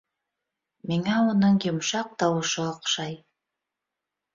Миңә уның йомшаҡ тауышы оҡшай